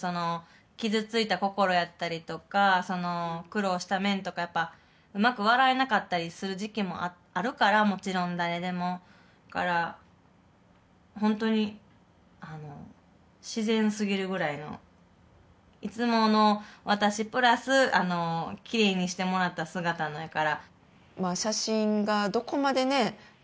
傷ついた心やったりとか苦労した面とかうまく笑えなかったりする時期もあるからもちろん誰でもだからホントに自然すぎるぐらいのいつもの私プラスきれいにしてもらった姿のやから写真がどこまでね